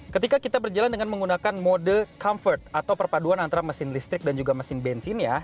ketika kita berjalan dengan menggunakan mode comfort atau perpaduan antara mesin listrik dan juga mesin bensin ya